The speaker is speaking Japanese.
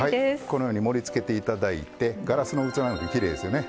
このように盛りつけて頂いてガラスの器なんかきれいですよね。